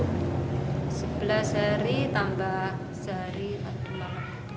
sebelas hari tambah sehari waktu malam